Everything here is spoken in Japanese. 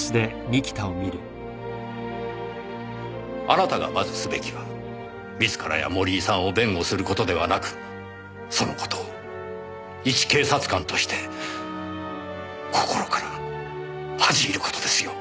あなたがまずすべきは自らや森井さんを弁護する事ではなくその事をいち警察官として心から恥じ入る事ですよ。